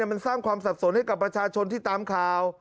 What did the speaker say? มันสร้างความสับสนให้กับประชาชนที่ตามข่าว